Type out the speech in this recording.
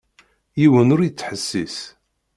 Yiwen ur ittḥessis.